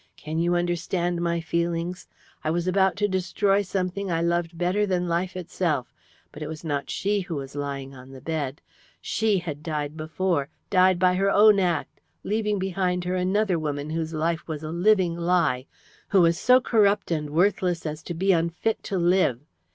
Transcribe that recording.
Can you understand my feelings. I was about to destroy something I loved better than life itself, but it was not she who was lying on the bed. She had died before died by her own act leaving behind her another woman whose life was a living lie, who was so corrupt and worthless as to be unfit to live.